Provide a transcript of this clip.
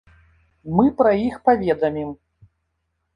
Мы пра іх паведамім.